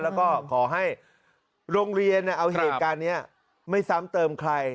แล้วก็ขอให้โรงเรียนเอาเหตุการณ์นี้ไม่ซ้ำเติมใคร